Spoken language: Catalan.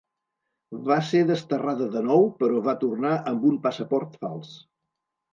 Va ser desterrada de nou, però va tornar amb un passaport fals.